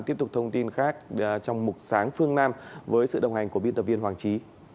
tiếp tục thông tin khác trong mục sáng phương nam với sự đồng hành của biên tập viên hoàng trí